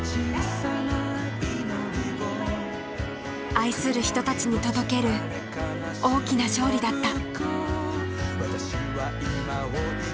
愛する人たちに届ける大きな勝利だった。